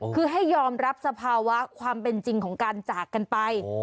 คือให้ยอมรับสภาวะความเป็นจริงของการจากกันไป